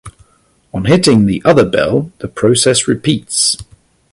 On hitting the other bell, the process repeats.